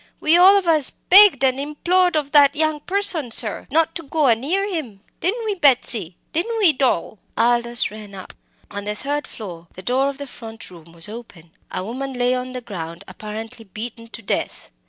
"We all of us begged and implored of that young person, sir, not to go a near him! Didn't we, Betsy? didn't we, Doll?" Aldous ran up. On the third floor, the door of the front room was open. A woman lay on the ground, apparently beaten to death.